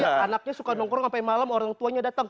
jadi anaknya suka nongkrong sampai malam orang tuanya datang